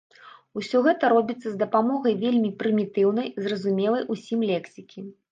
Усё гэта робіцца з дапамогай вельмі прымітыўнай, зразумелай усім лексікі.